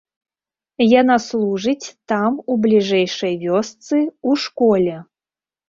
Яна служыць там у бліжэйшай вёсцы, у школе.